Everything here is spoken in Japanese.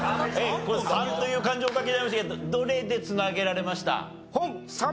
これ「三」という漢字をお書きになりましたけどどれで繋げられました？